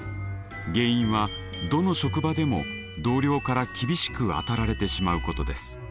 原因はどの職場でも同僚から厳しくあたられてしまうことです。